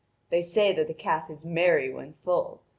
They say that a cat is merry when full.